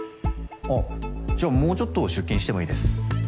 あっじゃあもうちょっと出勤してもいいです。